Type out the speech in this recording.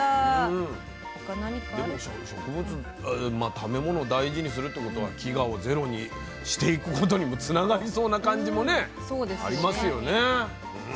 食べ物を大事にするってことは「飢餓をゼロ」にしていく事にもつながりそうな感じもありますよね。